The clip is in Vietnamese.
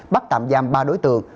bắt tạm giam ba đối tượng